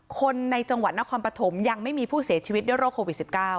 คนในจังหวัดนครปฐมยังไม่มีผู้เสียชีวิตด้วยโรคโควิด๑๙